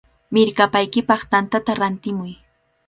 ¡Mirkapaykipaq tantata rantiramuy!